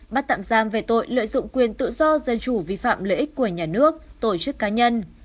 bắt tạm giam về tội lợi dụng quyền tự do dân chủ vi phạm lợi ích của nhà nước tổ chức cá nhân